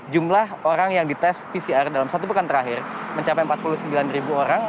jumlah orang yang dites pcr dalam satu pekan terakhir mencapai empat puluh sembilan orang